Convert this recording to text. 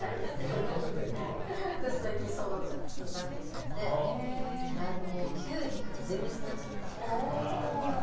私、最近そうなってきちゃってキューティクル全滅になっちゃって。